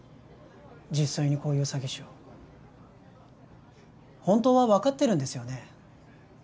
実際にこういう詐欺師を本当は分かってるんですよね？